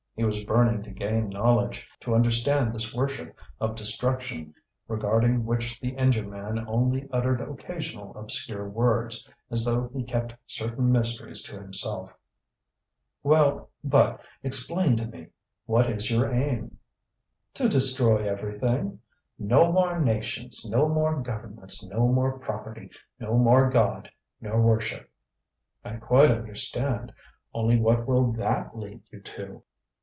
He was burning to gain knowledge, to understand this worship of destruction, regarding which the engine man only uttered occasional obscure words, as though he kept certain mysteries to himself. "Well, but explain to me. What is your aim?" "To destroy everything. No more nations, no more governments, no more property, no more God nor worship." "I quite understand. Only what will that lead you to?"